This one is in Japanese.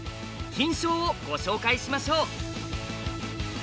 「金将」をご紹介しましょう。